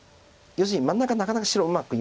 要するに真ん中なかなか白うまく